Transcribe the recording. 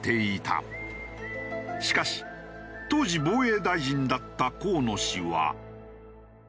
しかし当時防衛大臣だった河野氏は。